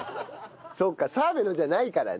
そうか澤部のじゃないからね。